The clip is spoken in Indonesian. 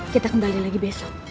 kita kembali lagi besok